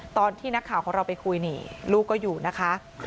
ตอนที่นักข่าวของเราไปคุยนี่ลูกก็อยู่นะคะ